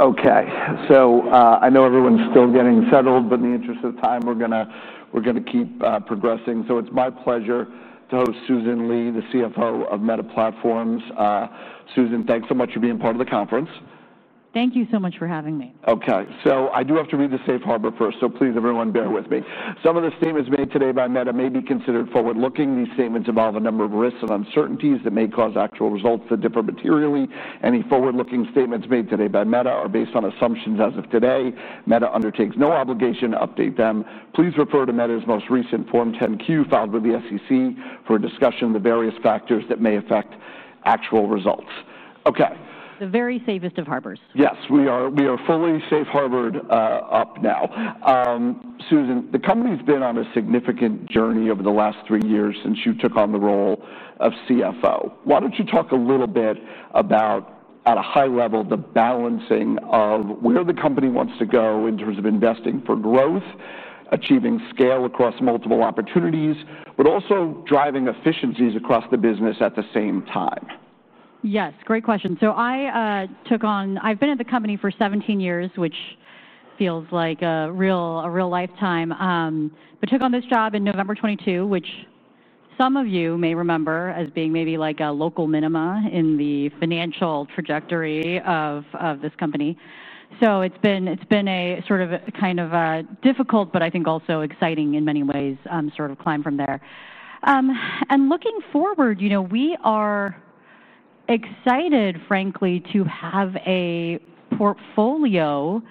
Okay. I know everyone's still getting settled, but in the interest of time, we're going to keep progressing. It's my pleasure to host Susan Li, the CFO of Meta Platforms. Susan, thanks so much for being part of the conference. Thank you so much for having me. Okay. I do have to read the safe harbor first, so please, everyone, bear with me. Some of the statements made today by Meta may be considered forward-looking. These statements involve a number of risks and uncertainties that may cause actual results to differ materially. Any forward-looking statements made today by Meta are based on assumptions as of today. Meta undertakes no obligation to update them. Please refer to Meta's most recent Form 10-Q filed with the SEC for a discussion of the various factors that may affect actual results. Okay. The very safest of harbors. Yes. We are fully safe harbored, up now. Susan, the company's been on a significant journey over the last three years since you took on the role of CFO. Why don't you talk a little bit about, at a high level, the balancing of where the company wants to go in terms of investing for growth, achieving scale across multiple opportunities, but also driving efficiencies across the business at the same time? Yes. Great question. I took on, I've been at the company for 17 years, which feels like a real lifetime, but took on this job in November 2022, which some of you may remember as being maybe like a local minima in the financial trajectory of this company. It's been a kind of a difficult, but I think also exciting in many ways, sort of climb from there. Looking forward, we are excited, frankly, to have a portfolio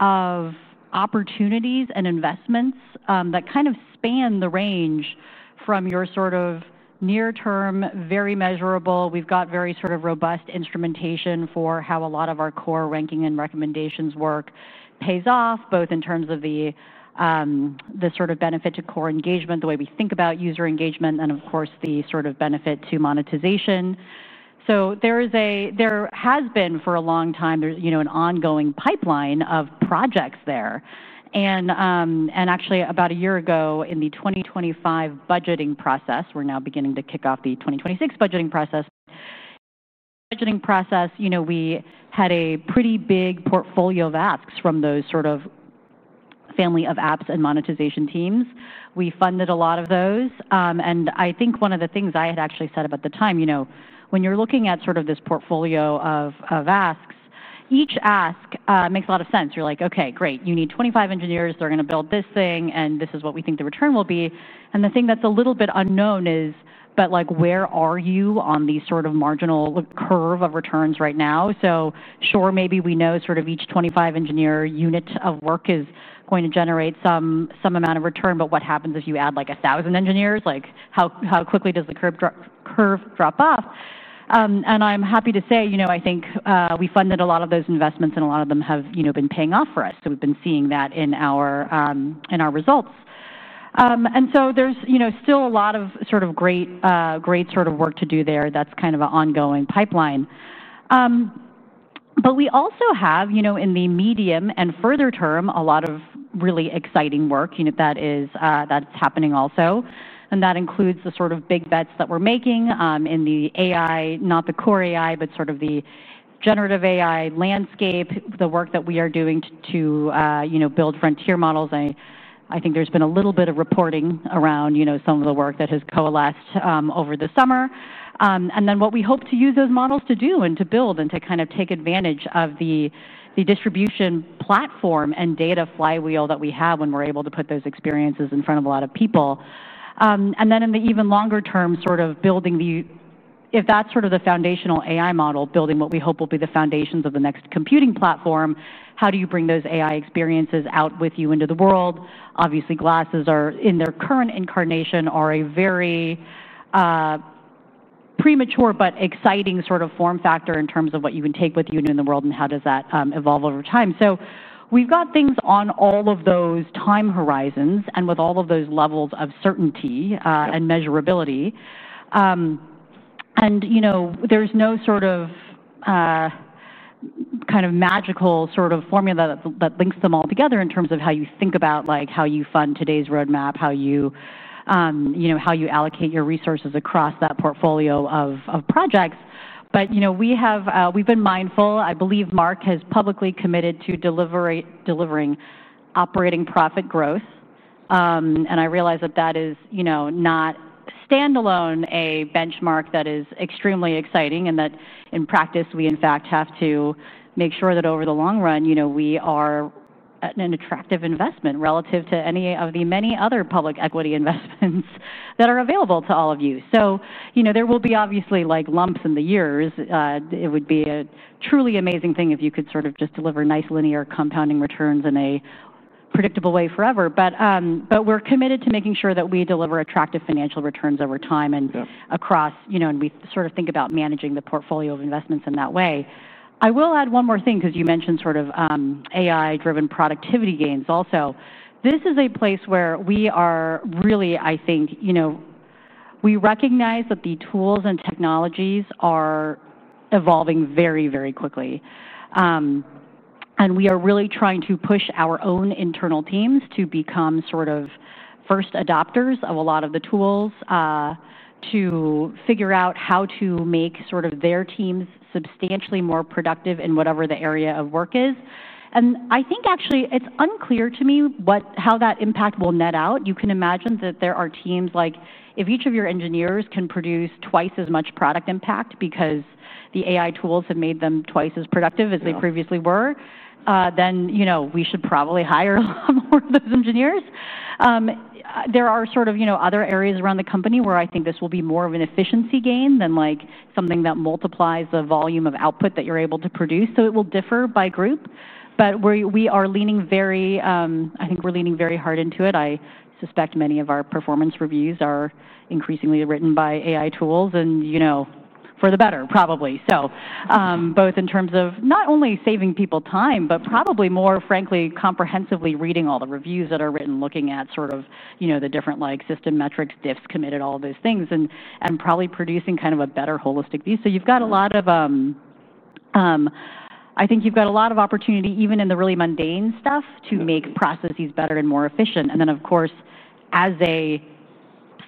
of opportunities and investments that kind of span the range from your sort of near-term, very measurable, we've got very robust instrumentation for how a lot of our core ranking and recommendations work pays off, both in terms of the benefit to core engagement, the way we think about user engagement, and of course, the benefit to monetization. There has been, for a long time, an ongoing pipeline of projects there. About a year ago, in the 2025 budgeting process, we're now beginning to kick off the 2026 budgeting process. Budgeting process, we had a pretty big portfolio of apps from those family of apps and monetization teams. We funded a lot of those. I think one of the things I had actually said about the time, when you're looking at this portfolio of asks, each ask makes a lot of sense. You're like, "Okay. Great. You need 25 engineers. They're going to build this thing, and this is what we think the return will be." The thing that's a little bit unknown is, but like where are you on the marginal curve of returns right now? Sure, maybe we know each 25-engineer unit of work is going to generate some amount of return, but what happens if you add like 1,000 engineers? How quickly does the curve drop off? I'm happy to say, I think we funded a lot of those investments, and a lot of them have been paying off for us. We've been seeing that in our results. There's still a lot of great work to do there that's kind of an ongoing pipeline. We also have, in the medium and further term, a lot of really exciting work that is happening also. That includes the big bets that we're making in the AI, not the core AI, but the generative AI landscape, the work that we are doing to build frontier models. I think there's been a little bit of reporting around some of the work that has coalesced over the summer, and then what we hope to use those models to do and to build and to kind of take advantage of the distribution platform and data flywheel that we have when we're able to put those experiences in front of a lot of people. In the even longer term, sort of building the, if that's sort of the foundational AI model, building what we hope will be the foundations of the next computing platform, how do you bring those AI experiences out with you into the world? Obviously, glasses are, in their current incarnation, a very premature but exciting sort of form factor in terms of what you can take with you into the world and how that evolves over time. We've got things on all of those time horizons and with all of those levels of certainty and measurability. There's no sort of magical formula that links them all together in terms of how you think about how you fund today's roadmap, how you allocate your resources across that portfolio of projects. We have been mindful. I believe Mark has publicly committed to delivering operating profit growth. I realize that is not standalone a benchmark that is extremely exciting and that in practice, we in fact have to make sure that over the long run, we are an attractive investment relative to any of the many other public equity investments that are available to all of you. There will be obviously lumps in the years. It would be a truly amazing thing if you could just deliver nice linear compounding returns in a predictable way forever. We're committed to making sure that we deliver attractive financial returns over time and we think about managing the portfolio of investments in that way. I will add one more thing because you mentioned AI-driven productivity gains also. This is a place where we are really, I think, we recognize that the tools and technologies are evolving very, very quickly. We are really trying to push our own internal teams to become first adopters of a lot of the tools, to figure out how to make their teams substantially more productive in whatever the area of work is. I think actually it's unclear to me how that impact will net out. You can imagine that there are teams like if each of your engineers can produce twice as much product impact because the AI tools have made them twice as productive as they previously were, then we should probably hire a lot more of those engineers. There are other areas around the company where I think this will be more of an efficiency gain than something that multiplies the volume of output that you're able to produce. It will differ by group. We are leaning very hard into it. I suspect many of our performance reviews are increasingly written by AI tools and, for the better, probably. Both in terms of not only saving people time, but probably more, frankly, comprehensively reading all the reviews that are written, looking at the different system metrics, diffs, committed, all of those things, and probably producing kind of a better holistic view. You've got a lot of opportunity even in the really mundane stuff to make processes better and more efficient. Of course, as a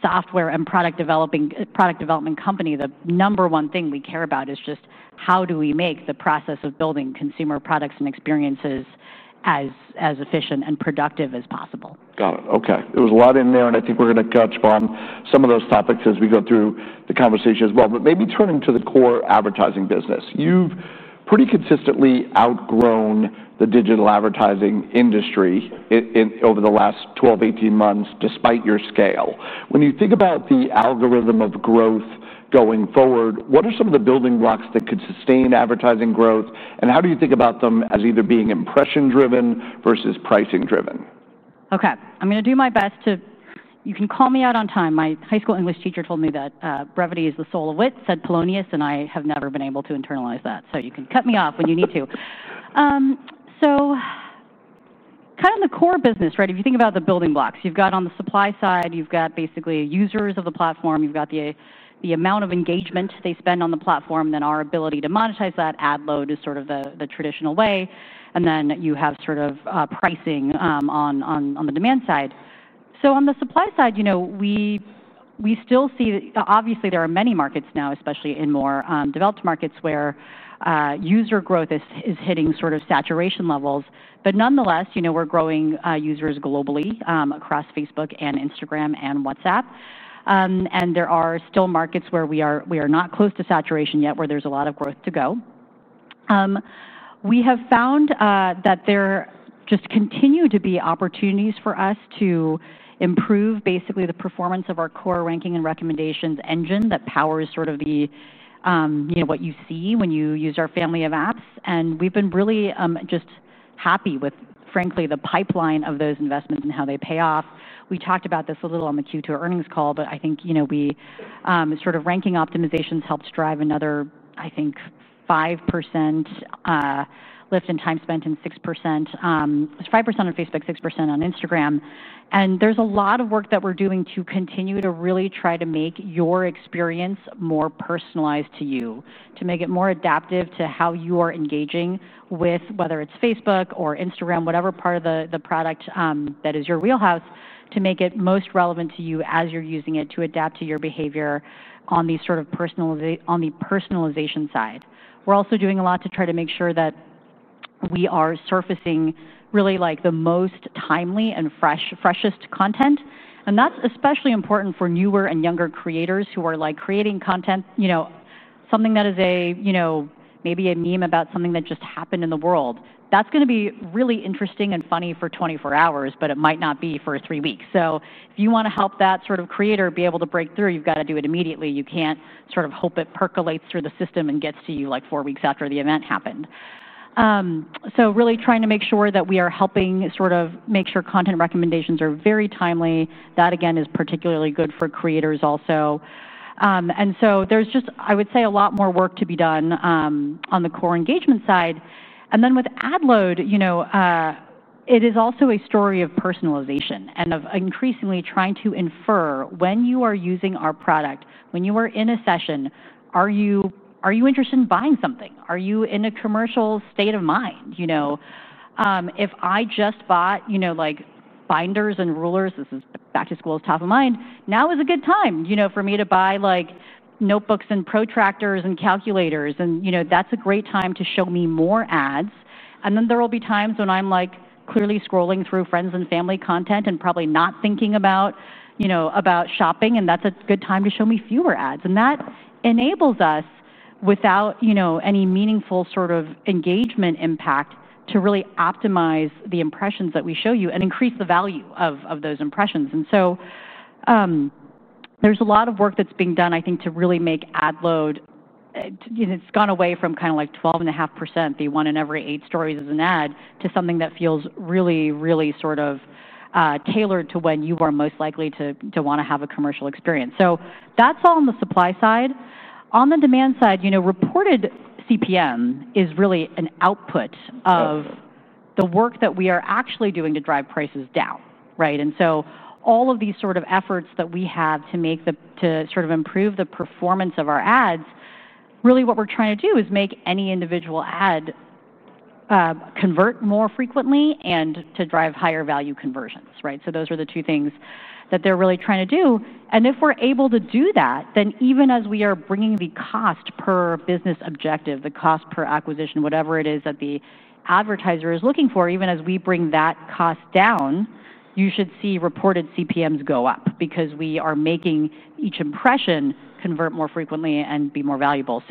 software and product development company, the number one thing we care about is just how do we make the process of building consumer products and experiences as efficient and productive as possible. Got it. Okay. There was a lot in there, and I think we're going to touch on some of those topics as we go through the conversation as well. Maybe turning to the core advertising business, you've pretty consistently outgrown the digital advertising industry in over the last 12, 18 months, despite your scale. When you think about the algorithm of growth going forward, what are some of the building blocks that could sustain advertising growth, and how do you think about them as either being impression-driven versus pricing-driven? Okay. I'm going to do my best to—you can call me out on time. My high school English teacher told me that brevity is the soul of wit, said Polonius, and I have never been able to internalize that. You can cut me off when you need to. Kind of in the core business, right? If you think about the building blocks, you've got on the supply side, you've got basically users of the platform, you've got the amount of engagement they spend on the platform, then our ability to monetize that ad load is sort of the traditional way. You have pricing on the demand side. On the supply side, we still see that obviously there are many markets now, especially in more developed markets where user growth is hitting sort of saturation levels. Nonetheless, we're growing users globally across Facebook and Instagram and WhatsApp, and there are still markets where we are not close to saturation yet, where there's a lot of growth to go. We have found that there just continue to be opportunities for us to improve basically the performance of our core ranking and recommendations engine that powers what you see when you use our family of apps. We've been really just happy with, frankly, the pipeline of those investments and how they pay off. We talked about this a little on the Q2 earnings call, but I think ranking optimizations helped drive another, I think, 5% lift in time spent and 6%—it was 5% on Facebook, 6% on Instagram. There's a lot of work that we're doing to continue to really try to make your experience more personalized to you, to make it more adaptive to how you are engaging with whether it's Facebook or Instagram, whatever part of the product that is your wheelhouse, to make it most relevant to you as you're using it, to adapt to your behavior on the personalization side. We're also doing a lot to try to make sure that we are surfacing really the most timely and freshest content. That's especially important for newer and younger creators who are creating content—something that is maybe a meme about something that just happened in the world. That's going to be really interesting and funny for 24 hours, but it might not be for three weeks. If you want to help that creator be able to break through, you've got to do it immediately. You can't sort of hope it percolates through the system and gets to you like four weeks after the event happened. Really trying to make sure that we are helping sort of make sure content recommendations are very timely. That, again, is particularly good for creators also. There is just, I would say, a lot more work to be done on the core engagement side. With ad load, it is also a story of personalization and of increasingly trying to infer when you are using our product, when you are in a session, are you interested in buying something? Are you in a commercial state of mind? If I just bought, you know, like binders and rulers, this is back to school, is top of mind, now is a good time for me to buy like notebooks and protractors and calculators. That is a great time to show me more ads. There will be times when I'm clearly scrolling through friends and family content and probably not thinking about shopping. That is a good time to show me fewer ads. That enables us, without any meaningful sort of engagement impact, to really optimize the impressions that we show you and increase the value of those impressions. There is a lot of work that's being done, I think, to really make ad load, you know, it's gone away from kind of like 12.5%, the one in every eight stories of an ad, to something that feels really, really sort of tailored to when you are most likely to want to have a commercial experience. That is all on the supply side. On the demand side, reported CPM is really an output of the work that we are actually doing to drive prices down, right? All of these sort of efforts that we have to improve the performance of our ads, really what we're trying to do is make any individual ad convert more frequently and to drive higher value conversions, right? Those are the two things that they're really trying to do. If we're able to do that, then even as we are bringing the cost per business objective, the cost per acquisition, whatever it is that the advertiser is looking for, even as we bring that cost down, you should see reported CPMs go up because we are making each impression convert more frequently and be more valuable.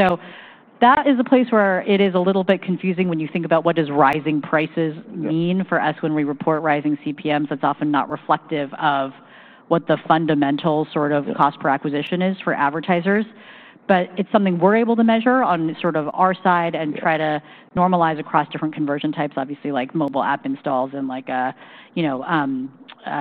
That is a place where it is a little bit confusing when you think about what does rising prices mean for us when we report rising CPMs. That's often not reflective of what the fundamental sort of cost per acquisition is for advertisers. It's something we're able to measure on our side and try to normalize across different conversion types, obviously, like mobile app installs and, you know,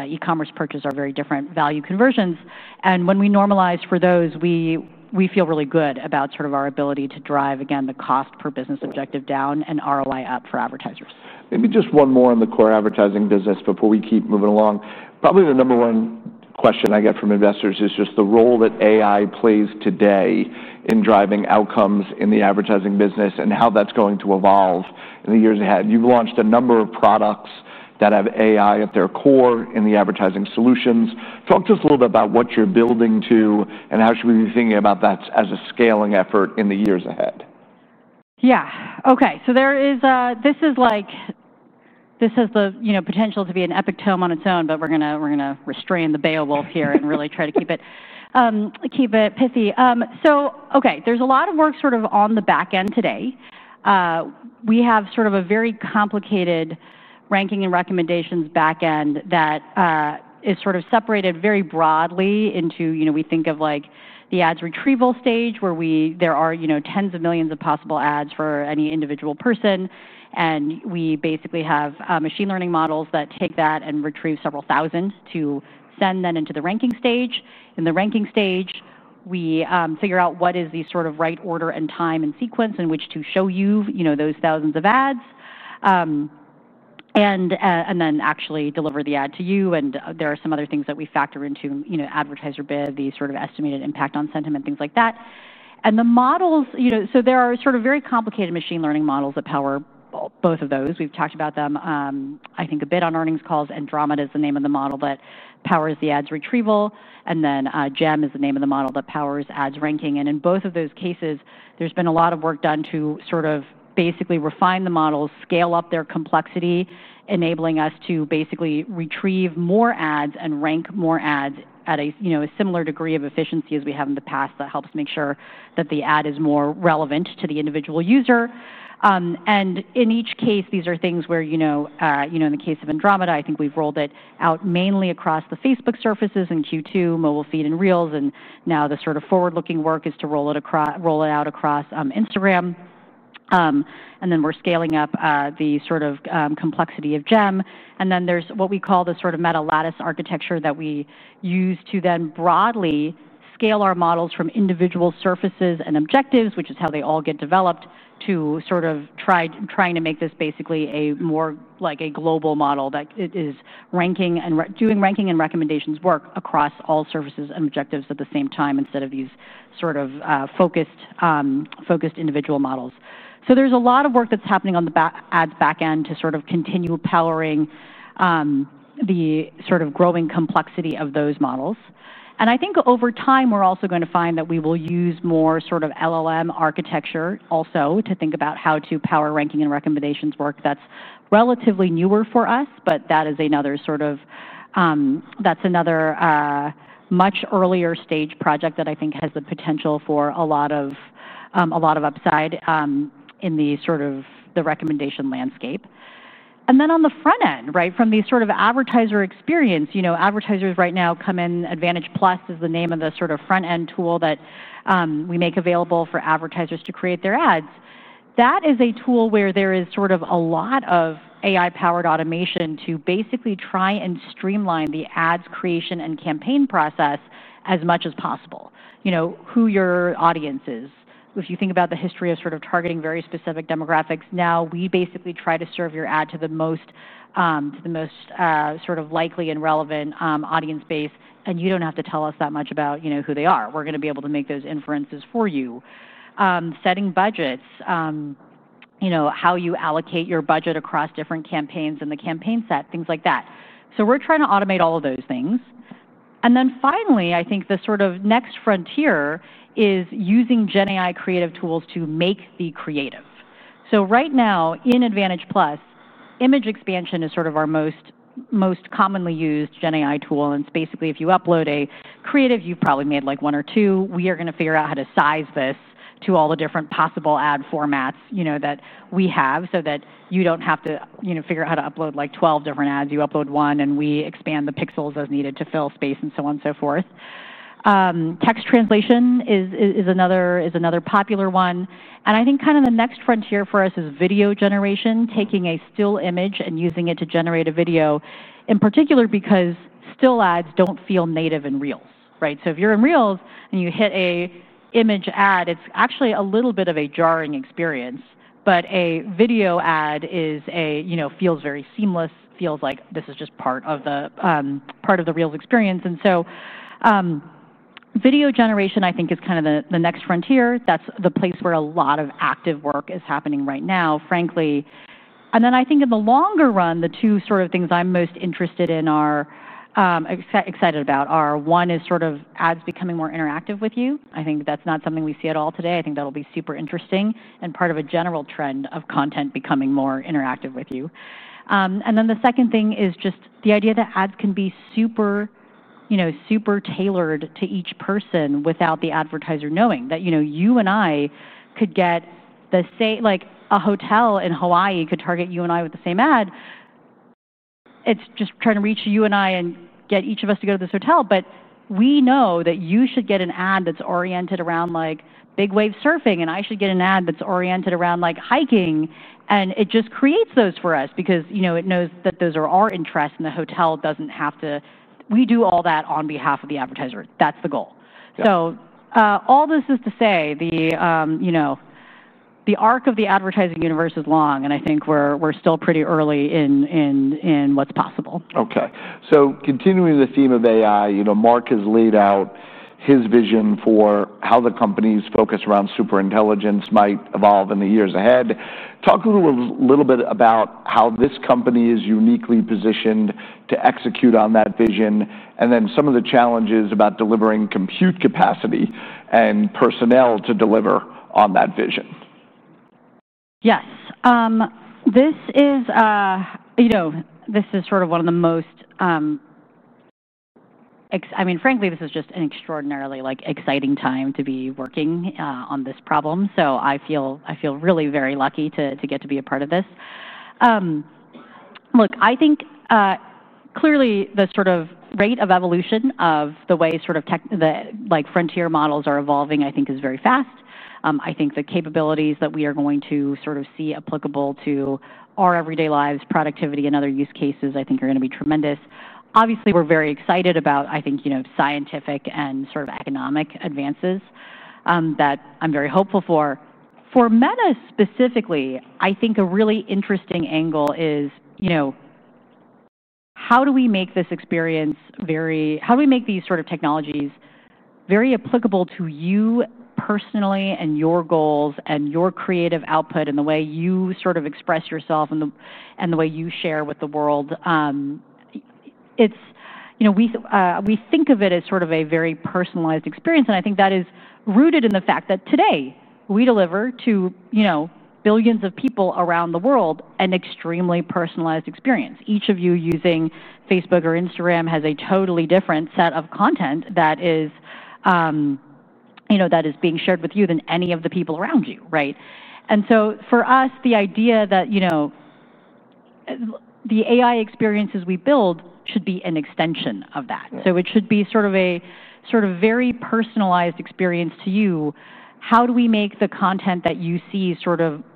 e-commerce purchase are very different value conversions. When we normalize for those, we feel really good about our ability to drive, again, the cost per business objective down and ROI up for advertisers. Maybe just one more on the core advertising business before we keep moving along. Probably the number one question I get from investors is just the role that AI plays today in driving outcomes in the advertising business and how that's going to evolve in the years ahead. You've launched a number of products that have AI at their core in the advertising solutions. Talk to us a little bit about what you're building to and how should we be thinking about that as a scaling effort in the years ahead. Yeah. Okay. This has the, you know, potential to be an epitome on its own, but we're going to restrain the Beowulf here and really try to keep it pithy. There's a lot of work on the back end today. We have a very complicated ranking and recommendations back end that is separated very broadly into, you know, we think of the ads retrieval stage where there are tens of millions of possible ads for any individual person. We basically have machine learning models that take that and retrieve several thousand to send them into the ranking stage. In the ranking stage, we figure out what is the right order and time and sequence in which to show you those thousands of ads, and then actually deliver the ad to you. There are some other things that we factor into, you know, advertiser bid, the estimated impact on sentiment, things like that. The models, you know, there are very complicated machine learning models that power both of those. We've talked about them, I think, a bit on earnings calls, and Andromeda is the name of the model that powers the ads retrieval. GEM is the name of the model that powers ads ranking. In both of those cases, there's been a lot of work done to basically refine the models, scale up their complexity, enabling us to retrieve more ads and rank more ads at a similar degree of efficiency as we have in the past. That helps make sure that the ad is more relevant to the individual user. In each case, these are things where, you know, in the case of Andromeda, I think we've rolled it out mainly across the Facebook surfaces in Q2, mobile feed and Reels. Now the forward-looking work is to roll it out across Instagram. We're scaling up the complexity of GEM. There's what we call the Meta Lattice architecture that we use to broadly scale our models from individual surfaces and objectives, which is how they all get developed, to trying to make this basically a more like a global model that is ranking and doing ranking and recommendations work across all surfaces and objectives at the same time instead of these focused individual models. There is a lot of work that's happening on the ads back end to continue powering the growing complexity of those models. I think over time, we're also going to find that we will use more LLM architecture to think about how to power ranking and recommendations work. That's relatively newer for us, but that is another, much earlier stage project that I think has the potential for a lot of upside in the recommendation landscape. On the front end, from the advertiser experience, advertisers right now come in. Advantage+ is the name of the front-end tool that we make available for advertisers to create their ads. That is a tool where there is a lot of AI-powered automation to basically try and streamline the ads creation and campaign process as much as possible. You know who your audience is. If you think about the history of targeting very specific demographics, now we basically try to serve your ad to the most likely and relevant audience base, and you don't have to tell us that much about who they are. We're going to be able to make those inferences for you. Setting budgets, how you allocate your budget across different campaigns and the campaign set, things like that. We're trying to automate all of those things. Finally, I think the next frontier is using GenAI creative tools to make the creative. Right now, in Advantage+, image expansion is our most commonly used GenAI tool. It's basically, if you upload a creative, you've probably made one or two. We are going to figure out how to size this to all the different possible ad formats that we have so that you don't have to figure out how to upload 12 different ads. You upload one, and we expand the pixels as needed to fill space and so on and so forth. Text translation is another popular one. I think the next frontier for us is video generation, taking a still image and using it to generate a video, in particular because still ads don't feel native in Reels. If you're in Reels and you hit an image ad, it's actually a little bit of a jarring experience. A video ad feels very seamless, feels like this is just part of the Reels experience. Video generation, I think, is kind of the next frontier. That's the place where a lot of active work is happening right now, frankly. In the longer run, the two sort of things I'm most interested in, excited about are, one is sort of ads becoming more interactive with you. I think that's not something we see at all today. I think that'll be super interesting and part of a general trend of content becoming more interactive with you. The second thing is just the idea that ads can be super, you know, super tailored to each person without the advertiser knowing that, you know, you and I could get the same, like a hotel in Hawaii could target you and I with the same ad. It's just trying to reach you and I and get each of us to go to this hotel. We know that you should get an ad that's oriented around big wave surfing, and I should get an ad that's oriented around hiking. It just creates those for us because, you know, it knows that those are our interests, and the hotel doesn't have to. We do all that on behalf of the advertiser. That's the goal. All this is to say the arc of the advertising universe is long, and I think we're still pretty early in what's possible. Okay. Continuing the theme of AI, you know, Mark has laid out his vision for how the company's focus around superintelligence might evolve in the years ahead. Talk a little bit about how this company is uniquely positioned to execute on that vision, and then some of the challenges about delivering compute capacity and personnel to deliver on that vision. Yes, this is sort of one of the most, I mean, frankly, this is just an extraordinarily exciting time to be working on this problem. I feel really very lucky to get to be a part of this. I think clearly the rate of evolution of the way tech, the frontier models are evolving, is very fast. The capabilities that we are going to see applicable to our everyday lives, productivity, and other use cases are going to be tremendous. Obviously, we're very excited about scientific and economic advances that I'm very hopeful for. For Meta specifically, a really interesting angle is how do we make this experience very, how do we make these technologies very applicable to you personally and your goals and your creative output and the way you express yourself and the way you share with the world? We think of it as a very personalized experience. That is rooted in the fact that today we deliver to billions of people around the world an extremely personalized experience. Each of you using Facebook or Instagram has a totally different set of content that is being shared with you than any of the people around you, right? For us, the idea that the AI experiences we build should be an extension of that means it should be a very personalized experience to you. How do we make the content that you see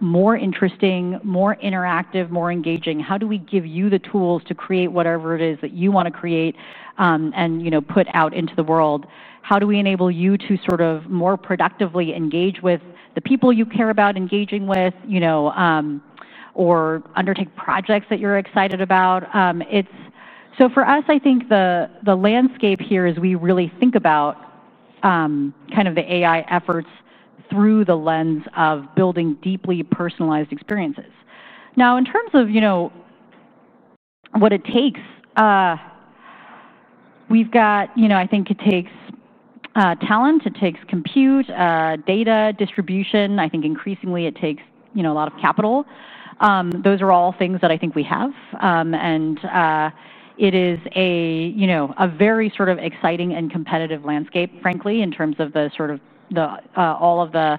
more interesting, more interactive, more engaging? How do we give you the tools to create whatever it is that you want to create and put out into the world? How do we enable you to more productively engage with the people you care about engaging with or undertake projects that you're excited about? For us, the landscape here is we really think about the AI efforts through the lens of building deeply personalized experiences. Now, in terms of what it takes, we've got, I think it takes talent. It takes compute, data, distribution. I think increasingly it takes a lot of capital. Those are all things that I think we have. It is a very exciting and competitive landscape, frankly, in terms of all of the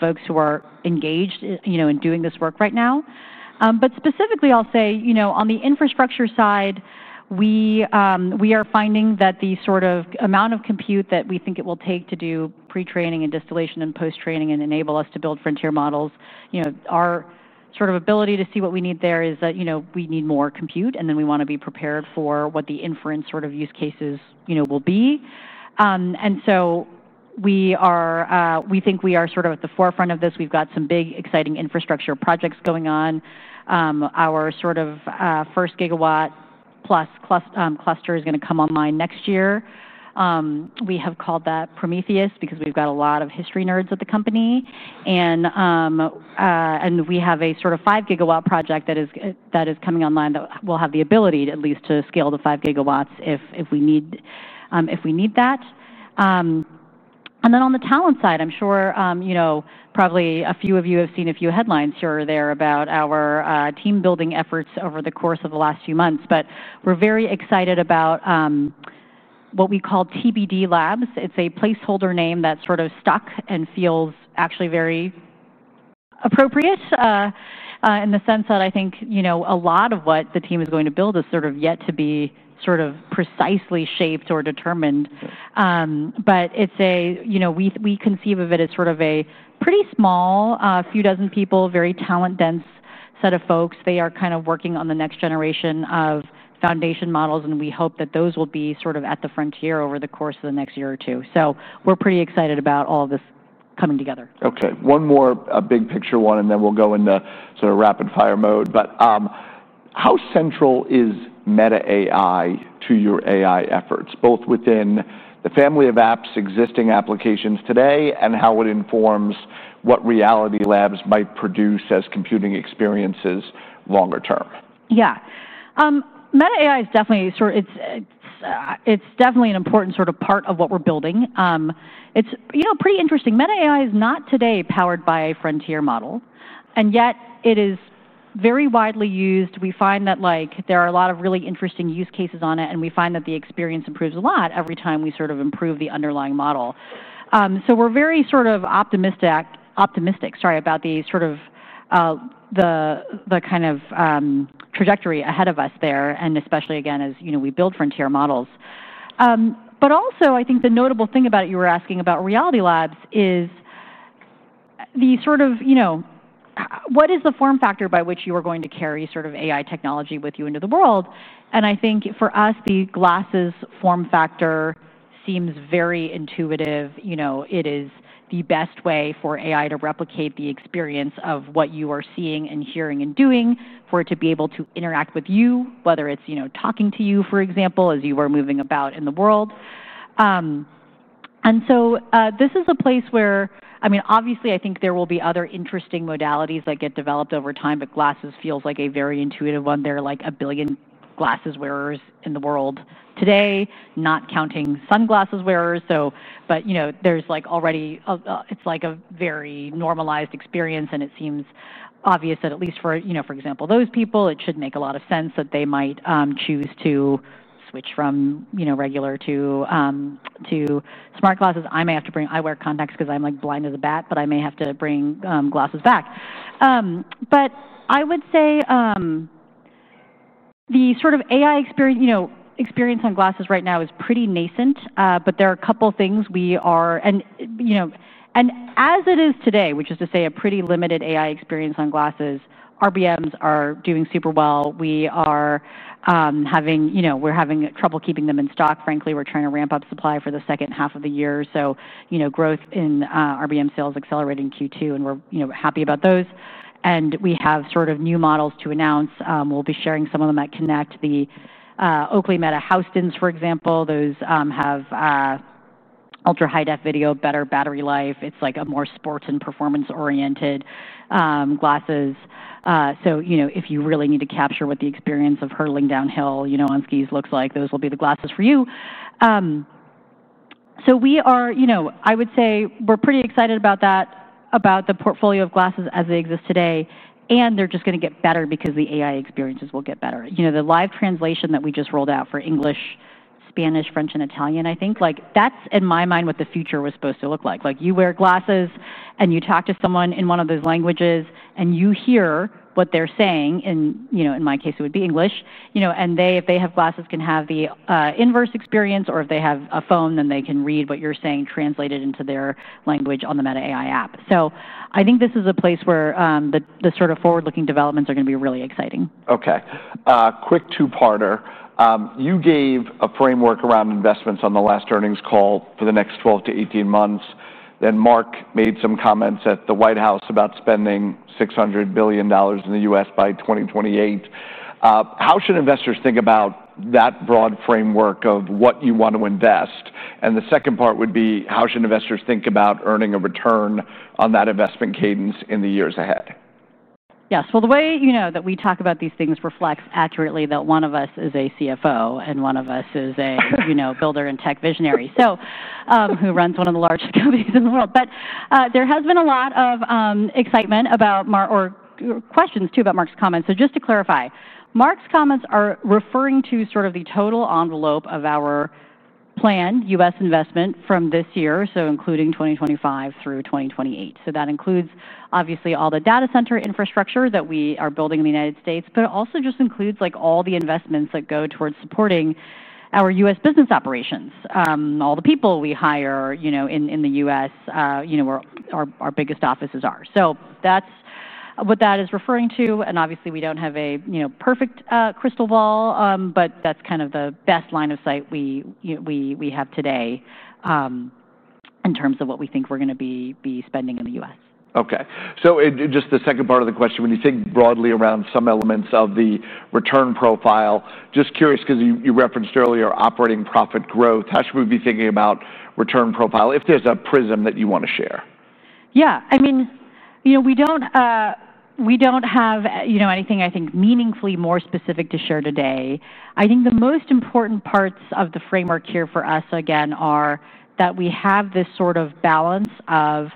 folks who are engaged in doing this work right now. Specifically, I'll say, you know, on the infrastructure side, we are finding that the sort of amount of compute that we think it will take to do pre-training and distillation and post-training and enable us to build frontier models, our sort of ability to see what we need there is that we need more compute, and then we want to be prepared for what the inference sort of use cases will be. We think we are sort of at the forefront of this. We've got some big, exciting infrastructure projects going on. Our first gigawatt plus cluster is going to come online next year. We have called that Prometheus because we've got a lot of history nerds at the company. We have a 5 GW project that is coming online that will have the ability at least to scale to 5 GW if we need that. On the talent side, I'm sure probably a few of you have seen a few headlines here or there about our team-building efforts over the course of the last few months. We're very excited about what we call TBD Labs. It's a placeholder name that's sort of stuck and feels actually very appropriate, in the sense that I think a lot of what the team is going to build is yet to be precisely shaped or determined. It's a pretty small, few dozen people, very talent-dense set of folks. They are kind of working on the next generation of foundation models, and we hope that those will be at the frontier over the course of the next year or two. We're pretty excited about all of this coming together. Okay. One more big-picture one, and then we'll go into sort of rapid-fire mode. How central is Meta AI to your AI efforts, both within the family of apps, existing applications today, and how it informs what Reality Labs might produce as computing experiences longer term? Meta AI is definitely sort of, it's definitely an important sort of part of what we're building. It's pretty interesting. Meta AI is not today powered by a frontier model, and yet, it is very widely used. We find that there are a lot of really interesting use cases on it, and we find that the experience improves a lot every time we improve the underlying model. We're very optimistic about the kind of trajectory ahead of us there, and especially, again, as we build frontier models. I think the notable thing about it, you were asking about Reality Labs, is the sort of, what is the form factor by which you are going to carry AI technology with you into the world? I think for us, the glasses form factor seems very intuitive. It is the best way for AI to replicate the experience of what you are seeing and hearing and doing for it to be able to interact with you, whether it's talking to you, for example, as you are moving about in the world. This is a place where, obviously, I think there will be other interesting modalities that get developed over time, but glasses feels like a very intuitive one. There are like 1 billion glasses wearers in the world today, not counting sunglasses wearers. There's already, it's a very normalized experience, and it seems obvious that at least for, for example, those people, it should make a lot of sense that they might choose to switch from regular to smart glasses. I may have to bring, I wear contacts because I'm like blind as a bat, but I may have to bring glasses back. I would say the AI experience on glasses right now is pretty nascent, but there are a couple of things we are, and as it is today, which is to say a pretty limited AI experience on glasses, RBMs are doing super well. We are having trouble keeping them in stock. Frankly, we're trying to ramp up supply for the second half of the year. Growth in RBM sales accelerating Q2, and we're happy about those. We have new models to announce. We'll be sharing some of them at Connect, the Oakley Meta Houstons, for example. Those have ultra high-def video, better battery life. It's a more sports and performance-oriented glasses. If you really need to capture what the experience of hurdling downhill on skis looks like, those will be the glasses for you. We are pretty excited about that, about the portfolio of glasses as they exist today, and they're just going to get better because the AI experiences will get better. The live translation that we just rolled out for English, Spanish, French, and Italian, I think, that's in my mind what the future was supposed to look like. You wear glasses and you talk to someone in one of those languages and you hear what they're saying, and in my case, it would be English, and they, if they have glasses, can have the inverse experience, or if they have a phone, then they can read what you're saying translated into their language on the Meta AI app. I think this is a place where the sort of forward-looking developments are going to be really exciting. Okay. Quick two-parter. You gave a framework around investments on the last earnings call for the next 12 to 18 months. Mark made some comments at the White House about spending $600 billion in the U.S. by 2028. How should investors think about that broad framework of what you want to invest? The second part would be, how should investors think about earning a return on that investment cadence in the years ahead? Yes. The way, you know, that we talk about these things reflects accurately that one of us is a CFO and one of us is a, you know, builder and tech visionary, who runs one of the largest companies in the world. There has been a lot of excitement about Mark or questions too about Mark's comments. Just to clarify, Mark's comments are referring to sort of the total envelope of our planned U.S. investment from this year, including 2025 through 2028. That includes, obviously, all the data center infrastructure that we are building in the United States, but it also just includes all the investments that go towards supporting our U.S. business operations, all the people we hire in the U.S., where our biggest offices are. That's what that is referring to. Obviously, we don't have a perfect crystal ball, but that's kind of the best line of sight we have today, in terms of what we think we're going to be spending in the U.S. Okay. Just the second part of the question, when you think broadly around some elements of the return profile, just curious because you referenced earlier operating profit growth, how should we be thinking about return profile if there's a prism that you want to share? Yeah. I mean, you know, we don't have anything I think meaningfully more specific to share today. I think the most important parts of the framework here for us, again, are that we have this sort of balance of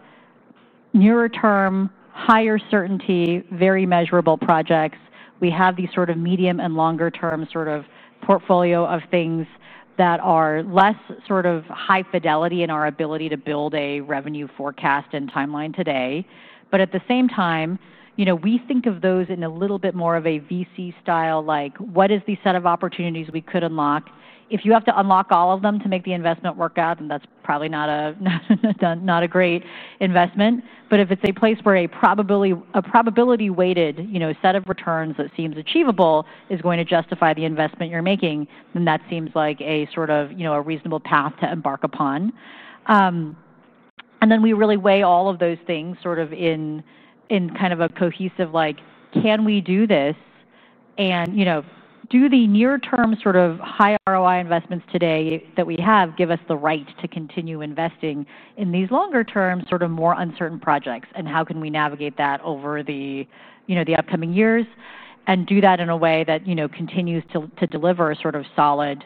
nearer term, higher certainty, very measurable projects. We have these sort of medium and longer-term sort of portfolio of things that are less sort of high fidelity in our ability to build a revenue forecast and timeline today. At the same time, you know, we think of those in a little bit more of a VC style, like what is the set of opportunities we could unlock? If you have to unlock all of them to make the investment work out, then that's probably not a great investment. If it's a place where a probability-weighted set of returns that seems achievable is going to justify the investment you're making, then that seems like a sort of reasonable path to embark upon. We really weigh all of those things in kind of a cohesive, like, can we do this? Do the near-term sort of high ROI investments today that we have give us the right to continue investing in these longer-term, more uncertain projects? How can we navigate that over the upcoming years and do that in a way that continues to deliver solid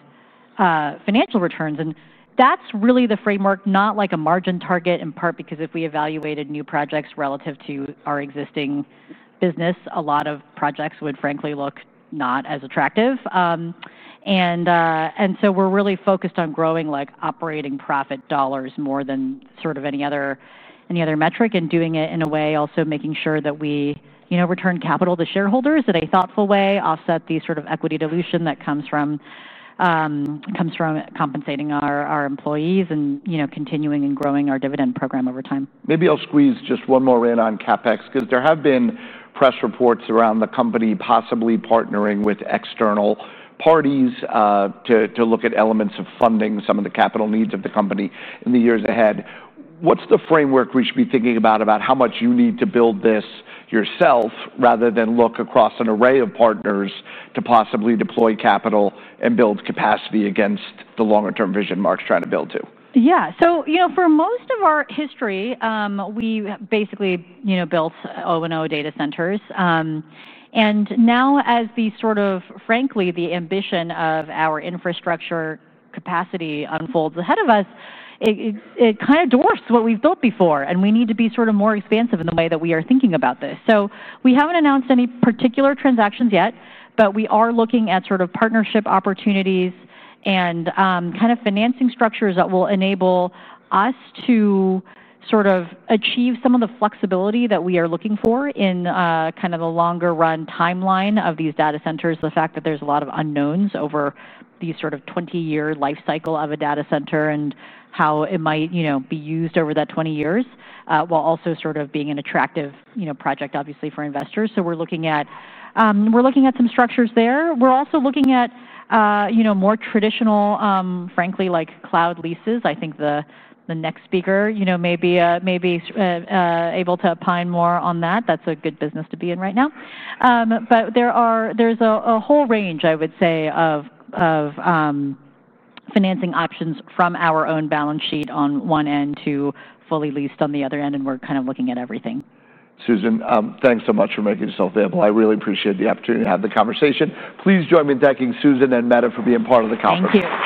financial returns? That's really the framework, not like a margin target in part because if we evaluated new projects relative to our existing business, a lot of projects would frankly look not as attractive. We're really focused on growing operating profit dollars more than any other metric and doing it in a way also making sure that we return capital to shareholders in a thoughtful way, offset the equity dilution that comes from compensating our employees and continuing and growing our dividend program over time. Maybe I'll squeeze just one more in on CapEx because there have been press reports around the company possibly partnering with external parties to look at elements of funding some of the capital needs of the company in the years ahead. What's the framework we should be thinking about, about how much you need to build this yourself rather than look across an array of partners to possibly deploy capital and build capacity against the longer-term vision Mark's trying to build to? Yeah. For most of our history, we basically built O&O data centers. Now, as the ambition of our infrastructure capacity unfolds ahead of us, it kind of dwarfs what we've built before. We need to be more expansive in the way that we are thinking about this. We haven't announced any particular transactions yet, but we are looking at partnership opportunities and financing structures that will enable us to achieve some of the flexibility that we are looking for in the longer-run timeline of these data centers. The fact that there's a lot of unknowns over the 20-year life cycle of a data center and how it might be used over that 20 years, while also being an attractive project, obviously, for investors. We are looking at some structures there. We are also looking at more traditional, frankly, like cloud leases. I think the next speaker may be able to opine more on that. That's a good business to be in right now. There is a whole range, I would say, of financing options from our own balance sheet on one end to fully leased on the other end, and we're kind of looking at everything. Susan, thanks so much for making yourself available. I really appreciate the opportunity to have the conversation. Please join me in thanking Susan and Meta for being part of the conference. Thank you.